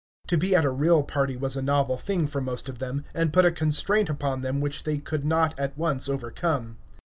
To be at a real party was a novel thing for most of them, and put a constraint upon them which they could not at once overcome.